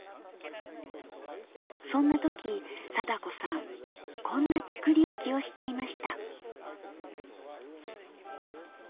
そんな時貞子さんこんな作り置きをしていました。